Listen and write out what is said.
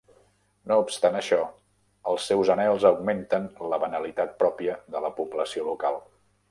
No obstant això, els seus anhels augmenten la banalitat pròpia de la població local.